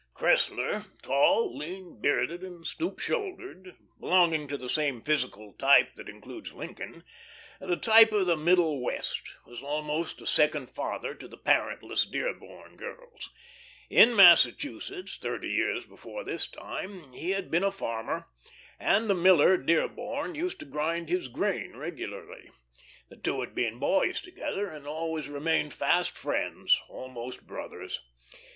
Cressler, tall, lean, bearded, and stoop shouldered, belonging to the same physical type that includes Lincoln the type of the Middle West was almost a second father to the parentless Dearborn girls. In Massachusetts, thirty years before this time, he had been a farmer, and the miller Dearborn used to grind his grain regularly. The two had been boys together, and had always remained fast friends, almost brothers.